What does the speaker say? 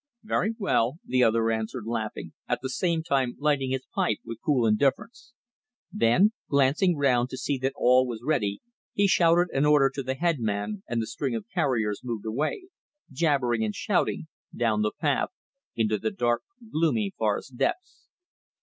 "Very well," the other answered laughing, at the same time lighting his pipe with cool indifference. Then, glancing round to see that all was ready, he shouted an order to the head man and the string of carriers moved away, jabbering and shouting, down the path into the dark gloomy forest depths.